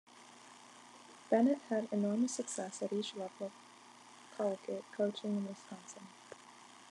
Bennett had enormous success at each level of collegiate coaching in Wisconsin.